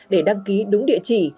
để đăng ký đúng địa chỉ